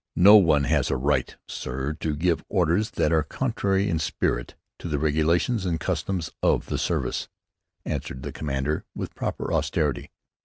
"No one has a right, sir, to give orders that are contrary in spirit to the regulations and customs of the service," answered the commander, with proper austerity.